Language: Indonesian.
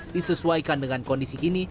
disesuaikan dengan kondisi kini